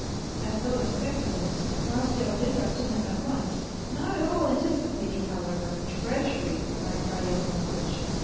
As though expecting this, Vasya went up to him at once, not at all anticipating, however, treachery from Arkady Ivano vitch.